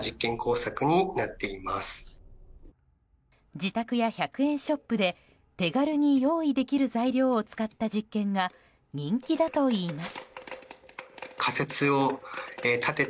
自宅や１００円ショップで手軽に用意できる材料を使った実験が人気だといいます。